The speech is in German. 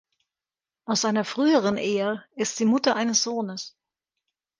Aus einer früheren Ehe ist sie Mutter eines Sohnes.